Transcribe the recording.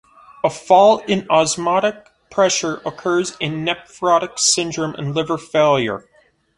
A fall in osmotic pressure occurs in nephrotic syndrome and liver failure.